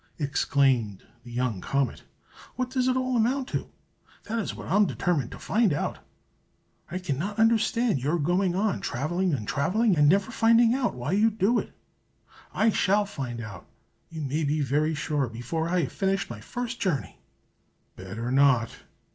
exclaimed the young comet. "What does it all amount to? That is what I am determined to find out. I cannot understand your going on, travelling and travelling, and never finding out why you do it. I shall find out, you may be very sure, before I have finished my first journey." "Better not!